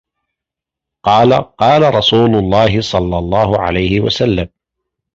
قَالَ قَالَ رَسُولُ اللَّهِ صَلَّى اللَّهُ عَلَيْهِ وَسَلَّمَ